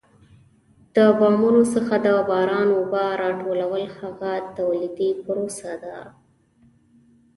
د بامونو څخه د باران اوبه را ټولول هغه تولیدي پروسه ده.